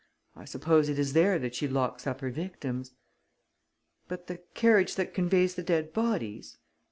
I suppose it is there that she locks up her victims." "But the carriage that conveys the dead bodies?"